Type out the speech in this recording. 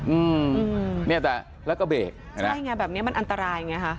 อืมเนี่ยแต่แล้วก็เบรกเห็นไหมใช่ไงแบบเนี้ยมันอันตรายไงฮะ